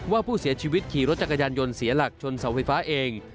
ว่าผู้เสียชีวิตขี่รถจักรยานยนต์เสียหลักชนเสาไฟฟ้าเอง